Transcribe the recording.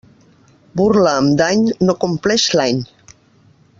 Burla amb dany no compleix l'any.